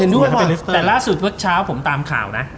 แล้วล่าสุดเมื่อเช้าผมหาผมตามข่าวนะ